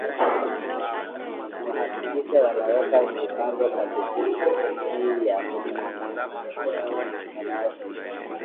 Wahakikishe wanaweka mipango madhubuti ya kufanikisha malengo ya serikali